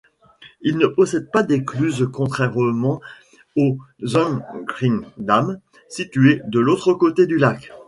Il ne possède pas d'écluse contrairement au Zandkreekdam, situé de l'autre côté du lac.